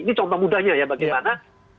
ini contoh mudanya bagaimana